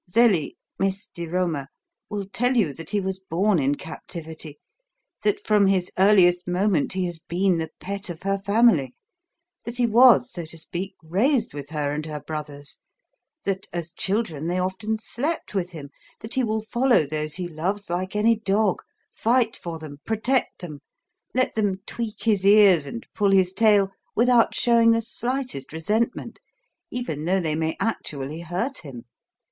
Zelie Miss di Roma will tell you that he was born in captivity; that from his earliest moment he has been the pet of her family; that he was, so to speak, raised with her and her brothers; that, as children, they often slept with him; that he will follow those he loves like any dog, fight for them, protect them, let them tweak his ears and pull his tail without showing the slightest resentment, even though they may actually hurt him.